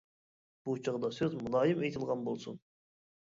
بۇ چاغدا سۆز مۇلايىم ئېيتىلغان بولسۇن.